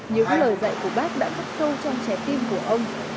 những lời dạy của bác đã phất sâu trong trái tim của ông